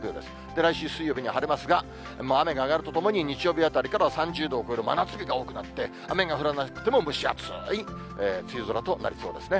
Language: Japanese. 来週水曜日には晴れますが、雨が上がるとともに日曜日あたりからは３０度を超える真夏日が多くなって、雨が降らなくても、蒸し暑い梅雨空となりそうですね。